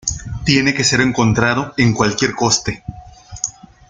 Tiene que ser encontrado en cualquier coste.